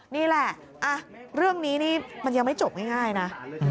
นี่แหละเรื่องนี้นี่มันยังไม่จบง่ายนะ